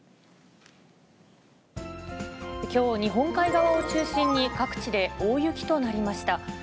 きょう、日本海側を中心に各地で大雪となりました。